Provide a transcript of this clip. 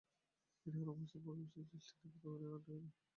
এটাই হলো মহাবিশ্বের পরাক্রমশালী সৃষ্টির দেবতাগণের আড্ডাখানা।